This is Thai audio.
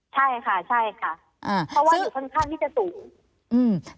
ใช่ค่ะใช่ค่ะเพราะว่าอยู่ข้างที่จะถูก